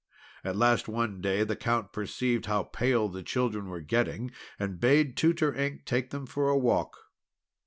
At last one day the Count perceived how pale the children were getting, and bade Tutor Ink take them for a walk.